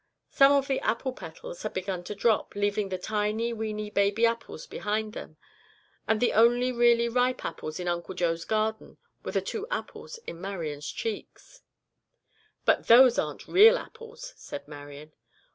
Some of the apple petals had begun to drop, leaving the tiny, weeny, baby apples behind them, and the only really ripe apples in Uncle Joe's garden were the two apples in Marian's cheeks. "But those aren't real apples," said Marian.